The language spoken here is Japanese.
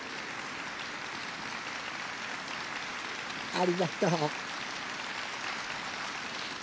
ありがとう。さあ。